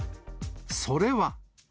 それは。